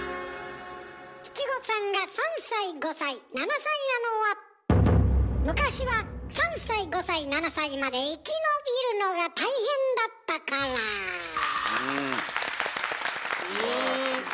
七五三が３歳５歳７歳なのは昔は３歳５歳７歳まで生き延びるのが大変だったから。ね。